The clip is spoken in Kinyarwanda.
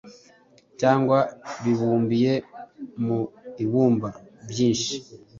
cyangwa bibumbye mu ibumba byinshi.